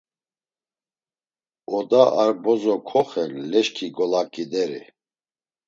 Oda ar bozo koxen, leşki golaǩideri.